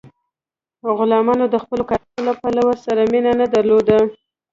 غلامانو د خپلو کارونو له پایلو سره مینه نه درلوده.